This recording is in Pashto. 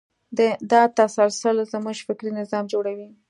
دا تسلسل زموږ فکري نظام جوړوي.